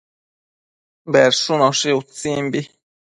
Bedshunoshi utsimbi